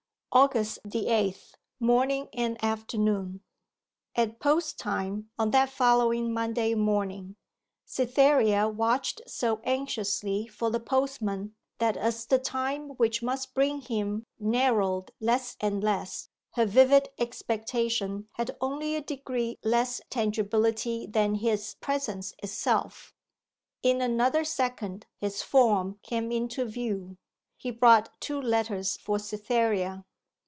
AUGUST THE EIGHTH. MORNING AND AFTERNOON At post time on that following Monday morning, Cytherea watched so anxiously for the postman, that as the time which must bring him narrowed less and less her vivid expectation had only a degree less tangibility than his presence itself. In another second his form came into view. He brought two letters for Cytherea.